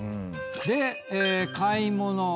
で買い物。